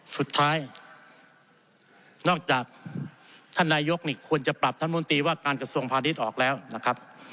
สุดท้ายนอกจากท่านนายกนี่ควรจะปรับท่านมนตรีว่าการกระทรวงพาณิชย์ออกแล้วนะครับ